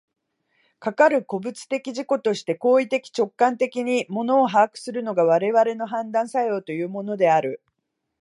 かかる個物的自己として行為的直観的に物を把握するのが、我々の判断作用というものである。